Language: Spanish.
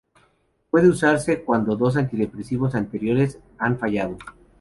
Puede usarse cuando dos antidepresivos anteriores han fallado.